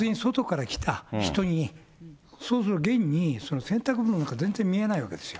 要するに外から来た人に、、そうすると現に、洗濯物なんか全然見えないわけですよ。